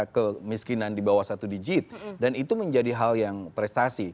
kemiskinan di bawah satu digit dan itu menjadi hal yang prestasi